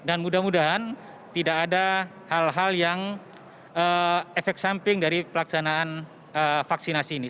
dan mudah mudahan tidak ada hal hal yang efek samping dari pelaksanaan vaksinasi ini